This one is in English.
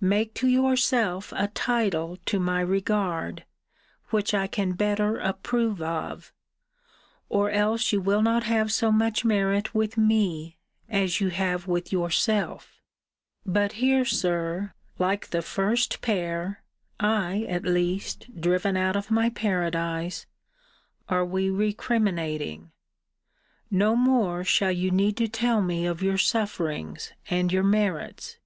Make to yourself a title to my regard, which I can better approve of; or else you will not have so much merit with me, as you have with yourself. But here, Sir, like the first pair, (I, at least, driven out of my paradise,) are we recriminating. No more shall you need to tell me of your sufferings, and your merits!